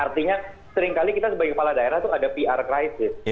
artinya seringkali kita sebagai kepala daerah itu ada pr krisis